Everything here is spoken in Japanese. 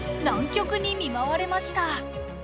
難局に見舞われました